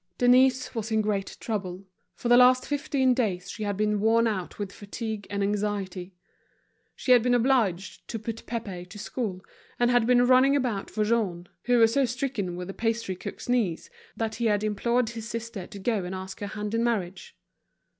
Denise was in great trouble. For the last fifteen days she had been worn out with fatigue and anxiety; she had been obliged to put Pépé to school, and had been running about for Jean, who was so stricken with the pastrycook's niece, that he had implored his sister to go and ask her hand in marriage.